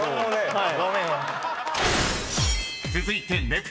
はい！